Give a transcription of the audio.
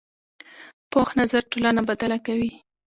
پوخ نظر ټولنه بدله کوي